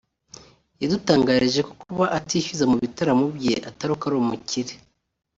yadutangarije ko kuba atishyuza mu bitaramo bye atari uko ari umukire